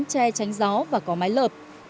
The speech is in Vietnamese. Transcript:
che tránh gió và có máy lợp